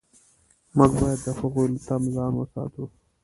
موږ باید د هغوی له طمع ځان وساتو.